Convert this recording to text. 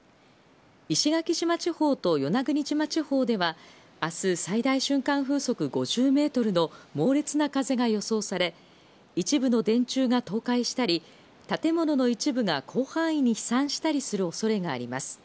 石垣島地方と与那国島地方では明日、最大瞬間風速５０メートルの猛烈な風が予想され一部の電柱が倒壊したり建物の一部が広範囲に飛散したりする恐れがあります。